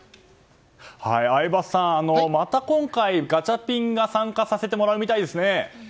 相葉さん、また今回ガチャピンが参加させてもらうみたいですね。